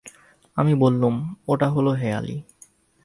আমি বললুম, ওটা হল হেঁয়ালি।